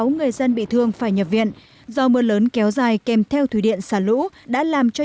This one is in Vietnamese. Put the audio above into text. sáu người dân bị thương phải nhập viện do mưa lớn kéo dài kèm theo thủy điện xả lũ đã làm cho